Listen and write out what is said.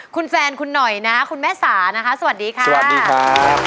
คุณแฟนคุณหน่อยนะคุณแม่สานะคะสวัสดีค่ะ